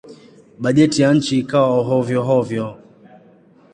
Bajeti ya nchi ikawa hovyo-hovyo.